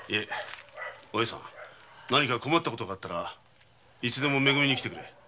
お栄さん何か困ったことがあったらいつでも「め組」に来てくれ。